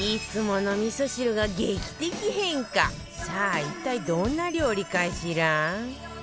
さあ一体どんな料理かしら？